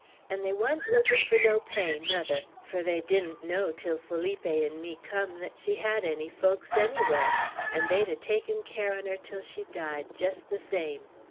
'N' they wa'n't lookin' fur no pay, nuther; fur they didn't know, till Feeleepy 'n' me cum, thet she had any folks ennywhar, 'n' they'd ha' taken care on her till she died, jest the same.